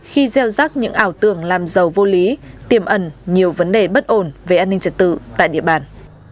khi gieo rắc những ảo tưởng làm giàu vô lý tiềm ẩn nhiều vấn đề bất ổn về an ninh trật tự tại địa bàn